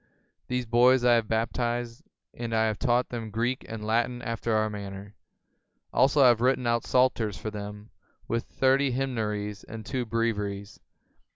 These boys I have baptized, and I have taught them Greek and Latin after our manner. Also I have written out Psalters for them, with thirty Hymnaries and two Breviaries.